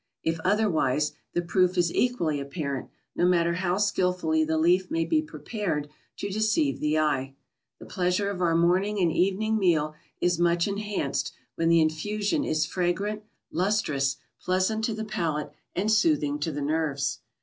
If otherwise, the proof is equally apparent, no matter how skilfully the leaf may be prepared to deceive the eye. The pleasure of our morning and evening meal is much enhanced when the infusion is fragrant, lustrous, pleasant to the palate, and soothing to the nerves.